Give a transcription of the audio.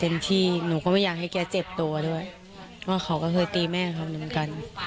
ที่หนูก็ไม่อยากให้แกเจ็บตัวด้วยเพราะเขาก็เคยตีแม่เขาเหมือนกัน